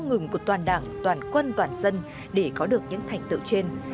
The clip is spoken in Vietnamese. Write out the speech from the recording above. không ngừng của toàn đảng toàn quân toàn dân để có được những thành tựu trên